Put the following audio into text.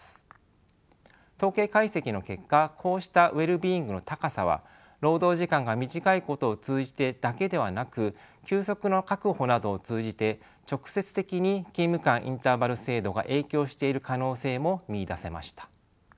統計解析の結果こうしたウェルビーイングの高さは労働時間が短いことを通じてだけではなく休息の確保などを通じて直接的に勤務間インターバル制度が影響している可能性も見いだせました。